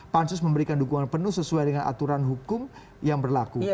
pansus memberikan dukungan penuh sesuai dengan aturan hukum yang berlaku